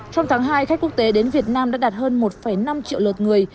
trong tháng hai khách quốc tế đến việt nam đã đạt hơn một năm triệu lượt người